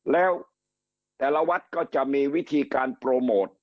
แล้วแต่ละวัดก็จะมีวิธีการโปรโมท